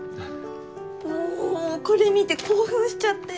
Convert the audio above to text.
もうこれ見て興奮しちゃって。